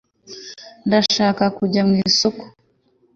ndashaka kujya mu isoko